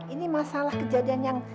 ini masalah kejadian yang